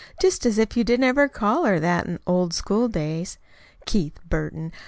Just as if you didn't ever call her that in the old school days, Keith Burton!